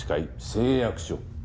誓約書。